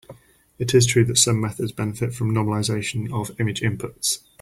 It is true that some methods benefit from normalization of image inputs.